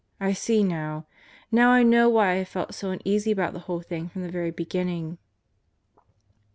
I see now. Now I know why I have felt so uneasy about the whole thing from the very beginning."